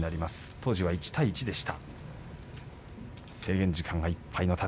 当時は１対１とした。